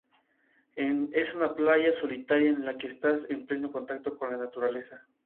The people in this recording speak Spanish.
Ese alguien es la otra Nina, flotando en una cápsula espacial sobre la Tierra.